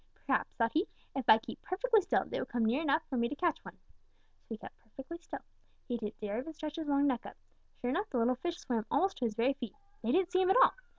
'Perhaps,' thought he, 'if I keep perfectly still, they will come near enough for me to catch one.' So he kept perfectly still. He didn't dare even stretch his long neck up. Sure enough, the little fish swam almost to his very feet. They didn't see him at all.